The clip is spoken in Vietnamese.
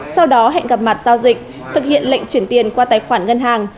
sau đó hẹn gặp mặt giao dịch thực hiện lệnh chuyển tiền qua tài khoản ngân hàng